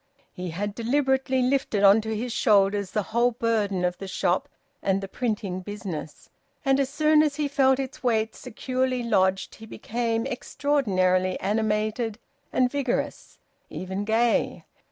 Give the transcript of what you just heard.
He had deliberately lifted on to his shoulders the whole burden of the shop and the printing business, and as soon as he felt its weight securely lodged he became extraordinarily animated and vigorous; even gay.